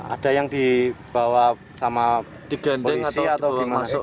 ada yang dibawa sama polisi atau dimasukkan